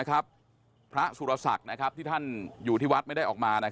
ครับอ่าคุณผู้ชมที่